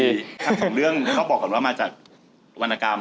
ทั้งสองเรื่องต้องบอกก่อนว่ามาจากวรรณกรรม